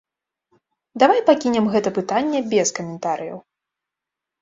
Давай пакінем гэта пытанне без каментарыяў.